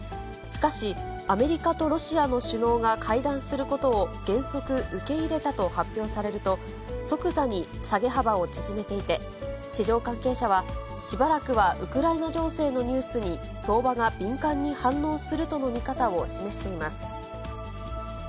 しかし、アメリカとロシアの首脳が会談することを原則受け入れたと発表されると、即座に下げ幅を縮めていて、市場関係者は、しばらくはウクライナ情勢のニュースに相場が敏感に反応するとの見方を示しています。